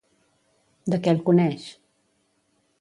De què el coneix?